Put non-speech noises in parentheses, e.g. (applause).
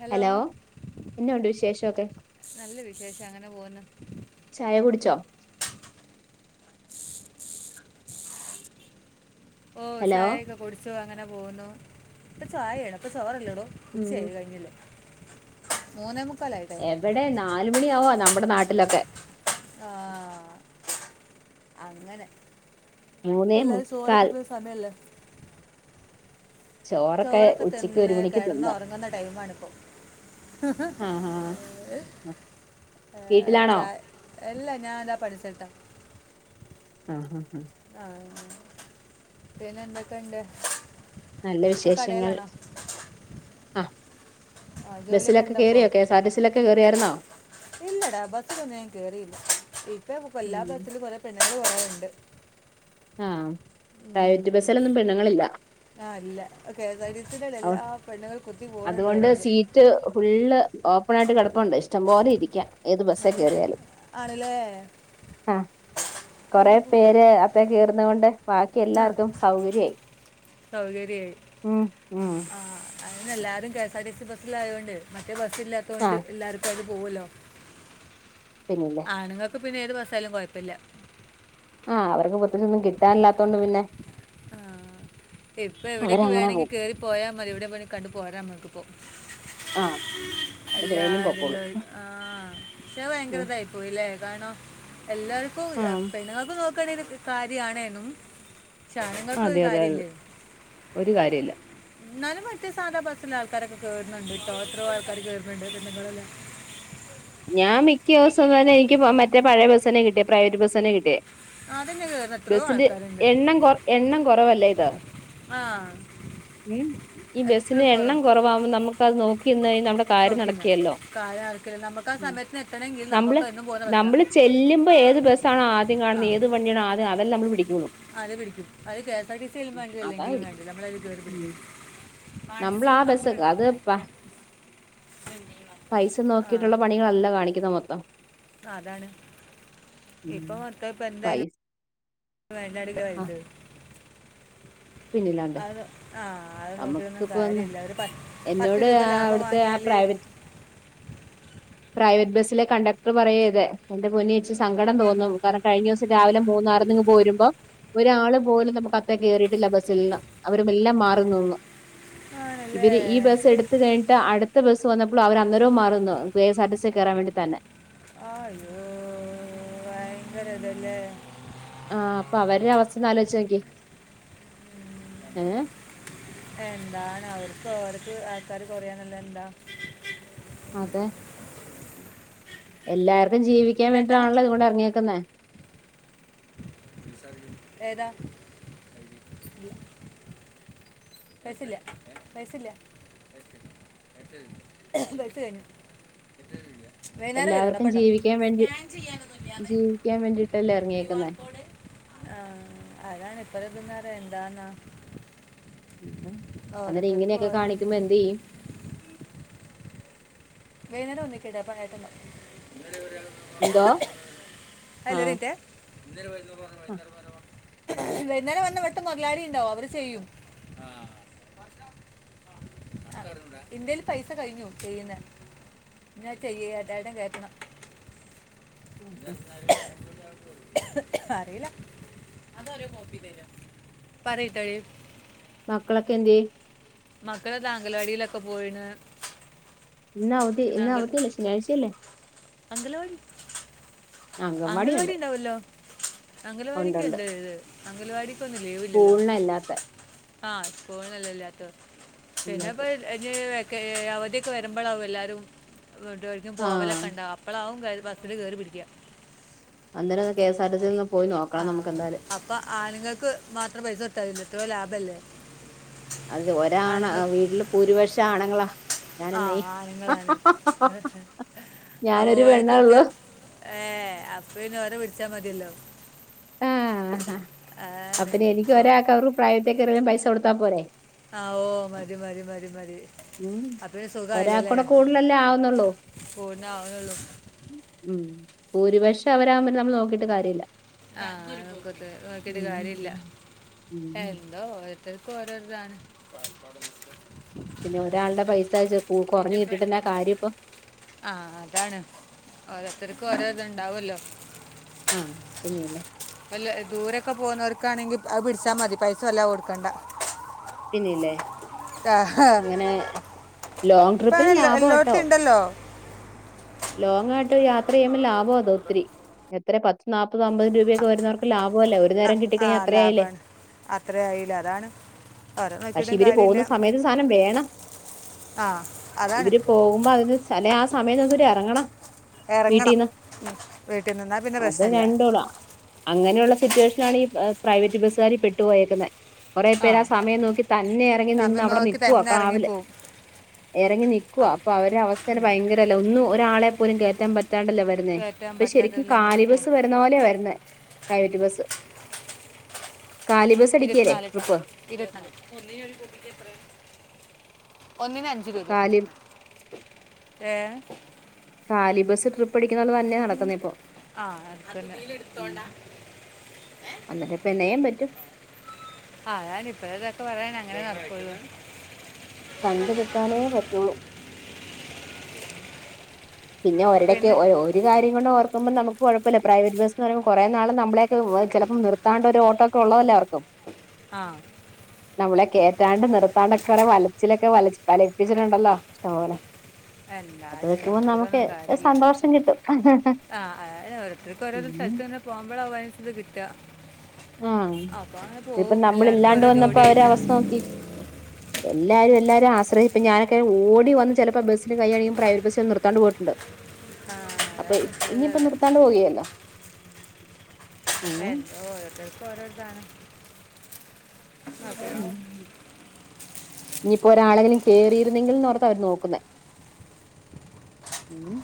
Hello. എന്ന ഉണ്ട് വിശേഷൊക്കെ നല്ല വിശേഷം അങ്ങനെ പോകുന്നു ചായ കുടിച്ചോ? ഓഹ് ഹലോ ചായൊക്കെ കുടിച്ചു അങ്ങനെ പോവുന്നു. പ്പ ചായേണൊ പ്പൊ ചോറല്ലോ. പ്പം ഉം ഉച്ചയായി കഴിഞ്ഞില്ലേ മൂന്നേമു എവടെ നാലുമണിയാവാ നമ്മടെ നാട്ടിലൊക്കെ. ആ അങ്ങനെ മൂന്നേ പ്പെല്ലാരും മുക്കാൽ ചോറൊക്കെ തിന്ന്ണെ സമയല്ലേ? ചോറൊക്കെ ഉച്ചയ്ക്ക് ഒരു തിന്ന് മണിക്ക് തിന്ന് കെടന്നൊറങ്ങ്ന്ന ടൈമാണിപ്പോ. ആ ആ ആ. വീട്ടിലാണോ ചായ എല്ല ഞാൻ ദാ പണി സൽത്താ. ആഹ് ഹ ഹ ആഹ, പിന്നെ എന്തൊക്കെ ഇണ്ട്. നല്ല വിശേഷങ്ങൾ ആ. ആ ജോലിയൊക്കെ ബസ്സിലൊക്കെ ഉണ്ടപ്പോൾ കേയറിയൊക്ക്യാ? കെഎസ്ആർടിസിലൊക്കെ കേയറിയായിരുന്നോ? ഇല്ലടാ ബസ്സിലൊന്നും ഞാൻ കേറിയില്ല. ഇപ്പ ഉം. എല്ലാ ബസ്സിലും കുറെ പെണ് - കുറവുണ്ട് ആ പ്രൈവറ്റ് ഉം. ബസ്സിലൊന്നും പെണ്ണുങ്ങളില്ല ആ ഇല്ല കെ എസ് ആർ ടി എല്ലാ അവ- പെണ്ണുകൾ കുത്തി പോവ അതുകൊണ്ട് വ്ണ്ടോരന്ന് സീറ്റ് ഫുള്ള് ഓപ്പൺ ആയിട്ട് കെടപ്പുണ്ട് ഇഷ്ടം പോലെ ഇരിക്കാ അത് ശരി. ആണ് ലേ ആ കൊറെ പേര് അപ്പ കേറ്- ന്നുകൊണ്ട് ബാക്കി ആ എല്ലാർക്കും സൗകര്യായി ഉം ഉം ആ് അതന്നെ എല്ലാരും K S R T C ബസ്സ്ലായോണ്ട് മറ്റേ ബസ്സ ഇല്ലാത്തൊണ്ട് ആഹ് എല്ലാർക്കും അത് പോവല്ലോ. പിന്നില്ലേ ആണുങ്ങൾക്ക് പിന്നെ ഏത് ബസാലും കൊഴപ്പല്ല്യാ ആഹ് അവർക്ക് പുത്തച്ചൊന്നും കിട്ടാല്ലാത്തോണ്ട് പിന്നെ ആ. ഇപ്പൊ എവിടേക്ക് അവരങ്ങനെ വേണെങ്കിൽ പോവും കേറി പോയാ മതി. എവിടെ പോയി കണ്ടു പോരാ നമ്മുക്കിപ്പോ ആഹ് അവരെന്തിനേലും പൊക്കോളും എല്ലാതിലും ആഹ പക്ഷെ ഉം ഭയങ്കരതായിപ്പോയില്ലേ കാര്ണം എല്ലാർക്കും ആഹ് പെണ്ണുങ്ങൾക്ക് നോക്കാണേ ഒരു കാര്യണേനു ആണ്ങ്ങൾക്ക് ഒരു അതെ അതെ അതെ കാര്യല്ലേനു ഒരു കാര്യല്ല ന്നാലും മറ്റേ സാധാ ബസ്സിൽ ആൾക്കാരൊക്കെ കേറുന്ന്ണ്ട്ട്ടോ എത്രയോ ആൾക്കാര് കേറുന്നുണ്ട് പെണ്ണ്ങ്ങളന്നെ ഞാൻ മിക്ക ദിവസം തന്നെ എനിക്ക് മറ്റേ പഴയ ബസ്സിനെ കിട്ടിയേ പ്രൈവറ്റ് ബസ്സിനെ കിട്ടിയേ ആ തന്നെ കയറുന്ന എത്രയോ ബസിന്റെ ആൾക്കാരുണ്ട് എണ്ണം കൊ എണ്ണം കുറവല്ലേ ഇത് ആ ഉം ഈ എത്ര ബസിന്റെ എണ്ണം കുറവാകുമ്പോ നമുക്ക് അത് നോക്കി നിന്ന് കഴിഞ്ഞാ നമ്മുടെ കാര്യം നോക്കിന്നാ നടക്കേലല്ലോ കാല ആർക്കെ നമുക്ക് ആ സമയത്തിന് എത്താൻ നമ്മള് നമ്മള് ചെല്ലുമ്പോൾ ഏത് ബസ്സ ആണോ ആദ്യം ആ കാണുന്നത് ഏത് വണ്ടിയാണോ ആദ്യം അതെല്ലാം അത് പിടിക്കും അത് കെഎസ് ആർ ടി സ്യാലും വേണ്ടില്ല അതാ അല്ലെങ്കിലും പിടിക്കും വേണ്ടില്ല നമ്മളത് കേറി പിടിക്കും നമ്മള് ആ വാട്സ്ആപ്പ് നമ്പർ ബസ്സ് ഉണ്ടോ അത് പ അയക്കാൻ പ്രിന്റിങ് നമ്പർ പൈസ ആ നോക്കിയിട്ടുള്ള പണികളല്ല കാണിക്കുന്ന മൊത്തം അതാണ് ഇപ്പൊ ഉം. മക്കൾ ഇപ്പെന്തായാലും പൈസ (unintelligible) ആ വൽത് പിന്നില്ലാണ്ട് ആ അത് നോക്കിയൊന്നും നമുക്കിപ്പോ കാര്യമില്ല ഒരു പത്ത് പത്ത് എന്നോട് രൂപ ആ ലാഭം അവിടുത്തെ ആ വാങ്ങിയാൽ പ്രൈവറ്റ് പ്രൈവറ്റ് ബസ്സിലെ കണ്ടക്ടർ പറയേത് എന്റെ പൊന്വോച്ചി സങ്കടം തോന്നുന്നു കാരണം കഴിഞ്ഞ ദിവസം രാവിലെ മൂന്നാറിങ്ങ് പോരുമ്പോ ഒരാൾ പോലും നമുക്ക് അകത്തേക്ക് കേറീട്ടില്ല അവരു എല്ലാം മാറി നിന്നോന്ന് ആണല്ലേ ഇവര് ഈ ബസ് എടുത്തു കഴഞ്ഞിട്ട് അടു ട്ത്ത ബസ് വന്നപ്പോളും അവര് അന്നേരോം മാറിനിന്നു K S R T C കേറാൻ വേണ്ടി തന്നെ ആയ്യോ ഭയങ്കര ഇതല്ലേ ആഹ് അപ്പൊ അവരുടെ അവസ്ഥൊന്നാലോചിച്ച് നോക്ക്യേ ഉ എന്താണ് അവർ ഓർക്ക് ആൾക്കാര് കൊറയാന്ള്ളതെന്താ അതെ എല്ലാർതും ജീവിക്കാൻ എന്താട്ടാ വേണ്ടിയിട്ടാണല്ലോ ഇതുകൊണ്ട് ഇറങ്ങിയേക്കുന്ന ഏതാ പൈസല്ല്യാ പൈസല്ല്യാ പൈസ കഴിഞ്ഞു വൈകുന്നേരം വരോണ്ടു. എല്ലാവർക്കും അപ്പണ്ടാവും. ജീവിക്കാൻ വേണ്ടി സ്കാൻ ചെയ്യാനൊന്നുല്ല്യാന്ന് ജീവിക്കാൻ വേണ്ടിട്ടല്ലേ ക്യു ആർ ഇറങ്ങിയേക്കുന്നേ കോഡ് ആഹ് അതാണ് ഇപ്പതിന്നേറ എന്താന്നാ ഉം അന്നേരം ഓരോരുത്തർക്കും ഇങ്ങനെയൊക്കെ കാണിക്കുമ്പോ ഓരോരുന്നത് എന്ത് ചെയ്യും വൈന്നേരം വന്ന്ക്കേണ്ടി അപ്പണ്ടാവും (unintelligible) എന്തോ? ആ അല്ല ഒരിറ്റേ (unintelligible) ആ വന്നേരം വന്ന വെട്ട് മുതലാളി ഉണ്ടാവും അവര് ചെയ്യും ഇന്ത്യയില് പൈസ കഴിഞ്ഞു ചെയ്യുന്ന ഞാൻ ചെയ്യ എട്ടായിടടെ കേറ്റണം ആ, ആ. എ (inaudible) അറിയില്ല (unintelligible) പറയട്ടടി മക്കളൊക്കെ എന്ത്യേ മക്കളെ ത അങ്കലവാടിയിലൊക്കെ പോയിണ് ഇന്ന അവതി അവതില്ലേ ശനിയാഴ്ചയല്ലേ? അംഗൽവാടി ആ, അംഗൻവാടി അംഗൽവാടി ഉണ്ട് ഉണ്ടാവല്ലോ ഉണ്ട് അംഗൽവാടിക്ക് ഉണ്ട് എന്ത ഒഴിവ് അംഗൽവാടി സ്കൂളിനല്ലാത്ത ആഹ് സ്ക്കൂളിനെല്ലെ ഇല്ലാത്തെല്ലേ അല്ലാത്ത പിന്നെപ്പൊ കെ അവധിയൊക്കെ വരുമ്പോഴാവും എല്ലാവരും എർക്കും ആ പോവലൊക്കെ ഉണ്ടാവും അപ്പോഴാവും ക ഭത്രന് കയറി പിടിക്കുക അന്നെരം കെസ് ആർ ടിസിൽന്നും ആ അപ്പൊ ആണുങ്ങൾക്ക് മാത്രം പൈസ കൊട്ത്താ മതിലേ എത്രയോ ലാഭല്ലേ അത് ഒരാണ വീട്ടില് ഭൂരിപക്ഷം ആണുങ്ങളാ ആ ഞാനെന്നേ ആനുങ്ങളാണ് അപ്പ ഞാനൊരു ഓരക്കെ പെണ്ണേ കുറ്റ ഉള്ളൂ ഏ അപ്പൊ ഇന ഓരോ വിളിച്ചാ മതിയല്ലോ അപ്പോ ആണ് പിന്നെ എനിക്ക് ഓ ഒരാൾക്ക അവർക്ക് പ്രൈവത്തേക്കെ എറും പൈസ കൊടുത്താൻ പോരെ ആ ഓ മതി മതി മതി മതി ഉം അപ്പം സുഖമായില്ലല്ലേ ഒരാൾക്കൂടെ കൂടുതല എല്ലാം ആവുന്നുള്ളൂ. പൂർണ്ണമാവുന്നുള്ളൂ ഉം ഭൂരിപക്ഷം അവരാവുമ്പോറ്റേ നമ്മൾ നോക്കിട്ട് കാര്യല്ല. ആ നക് നോകിട്ട് കാര്യല്ല ഉം ഉം, ഉം. എന്തോഒ ഓരോര്തക്ക്ഓരോതാണ് പിന്നെ ഒരാളുടെ പൈസ നിന്റെ കുറഞ്ഞു കിട്ടിട്ടന്നാ ഫ്രണ്ടും ബാക്ക് കാര്യം ഇപ്പൊ ആ അതാണ് ഓരോരുത്തർക്കും ഓരോ ഇത്ണ്ടാവല്ലോ ആ പിന്നെല്ലേ വല്ല ദൂരൊക്കെ പോകുന്നവർക്കാണെങ്കിൽ അത് പിടിച്ചാൽ മതി പൈസ വല്ലത കൊടുക്കണ്ട പിന്നെല്ലേ അങ്ങനെ ലോങ് ഇപ്പം ട്രിപ്പിന് അങ്ങനെ എല്ലാ- ലാഭംട്ടോ എല്ലായിടത്തും ഉണ്ടല്ലോ ലോങ്ങ ആയിട്ടോ യാത്ര ചെയ്യുമ്പോൾ ലാഭം അതോ ഒത്തിരി എത്ര പത്ത് നാൽപ്പത് അമ്പത് രൂപയക്കെ വരുന്നവർക്ക് ലാ പോല്ലെ ഒരു ആ, നേരം ആ കിട്ടിക്കഴിഞ്ഞാ അത്രായില്ലേ ലാഭമാണ് അത്രേ ആയില്ല അതാണ് ഓരോ പക്ഷെ നോക്കിയിട്ടും ഇവര് പോകുന്ന കാര്യമില്ല സമയത്ത് സാനം വേണം. ആ അതാണ് ഇവര് പോകുമ്പോ അതിന് ചില ആ സമയൊന്നര് ഇറങ്ങണം. ഇറങ്ങണം വീട്ടീന്ന് വീട്ടിൽ നിന്നാ പിന്നെ അത് പ്രശ്നമില്ല രണ്ടള അങ്ങനെയുള്ള സിറ്റുവേഷ ലാണി പ്രൈവറ്റ് ബസാര്പെട്ട് പോയക്കുന്നേ കെറെ ആ പേര് ആസമയ നോ തന്നെ ഇറങ്ങി നിന്ന് സമയം അവിടെ നോക്കി നിക്കുവാ തന്നെ കാവല് ഇറങ്ങിപ്പോവും ഇറങ്ങി നിക്കുവ അപ്പ് അപ്പൊ അവര അവസ്ഥ ഭയങ്കരല്ല ഒന്നും ഒരാളെ പോലും കേറ്റാൻ പ ത്താണ്ടല്ലേ വരുന്നേ കയറ്റാൻ പ ശരിക്കും പറ്റാത്തതിൽ ഇങ്ങനെ കാലി പോവും ബസ്സ് വരുന്ന പോലെയ വരുന്നേ പ്രൈവറ്റ് ബസ് കാലി ബസ് അടിക്കല്ലേ ട്രിപ്പ് ഒന്നിന് ഒരു (unintelligible) ഒന്നിന് അഞ്ച് രൂപ കാലി ഏ കാലി ബസ് ട്രിപ്പ് അടിക്കുന്ന പോലെ തന്നെ നടക്കുന്നേ ഇപ്പൊ ആ എത്തോണ്ട (unintelligible) എന്നിട്ട് പ്പൊന്ത്യ്യാൻപറ്റും. ഒക്കെ പറയാൻ അങ്ങനെ നടക്കുള്ളു കണ്ട നിൽക്കാനേ പറ്റുള്ളൂ പിന്നെ ഒരടൊക്കെ ഒരു കാര്യ കൊണ്ട് ഓർക്ക്പോ നമു കുഴപ്പമല്ല പ്രൈവറ്റ് ബസ്ന്ന് പറയുമ്പോ കുറേ നാള് നമ്മളെ ചിലപ്പോം നിർത്താണ്ട ഒരു ഓട്ടോ ഒക്കെ ഉള്ളതല്ലാവർക്കും ആ നമ്മളെ കേറ്റാണ്ട് നിർത്താണ്ടൊക്കെ വലച്ചിലൊക്കെ ഒെ വല വലപ്പിച്ചിട്ടുണ്ടല്ലോ ഇഷ്ടംപോലെ അത് എല്ലാര വെക്കുമ്പോ നമുക്ക് സന്തോഷം കിട്ടും ആഹ് അഓോത്തർക്ക് ഓരോ ഉം സ്ഥലത്ത് തന്നെ പോകുമ്പോഴ അവാനിച്ചത് കിട്ട ആ ഇതിപ്പ പോവും നമ്മൾ എല്ലാവർക്കും ഇല്ലാണ്ട് ഓരോ വന്നപ്പോ അവര് ജോഡിയായിട്ട് അവസ്ഥ നോക്കി എല്ലാരും എല്ലാരും ആശ്രഹ ഇപ്പ ഞാനൊക്ക ഓടി വ ചിലപ്പോ ബസ്സിന് കൈ്യയാണെങ്കിൽ പ്രൈവറ്റ് ബസ്ൽ നിർത്താണ്ട് പോയിട്ടുണ്ട് ആ അപ്പൊ അതാണ് ഇപ്പോഴത്തെ ഇനിപ്പോൊ നിർത്താണ്ട് പോവുകല്ലോ എന്താ ഓരോത്തർക്ക ഓരോതാണ് ഉം ഇനിയിപ്പോൊ ഒരാളെങ്കിലും കേറിയിരുന്നെങ്കിൽന്ന്ോർത്ത അവര് നോക്കുന്ന ഉം